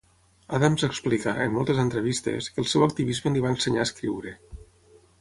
Adams explica, en moltes entrevistes, que el seu activisme li va ensenyar a escriure.